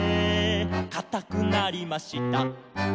「かたくなりました」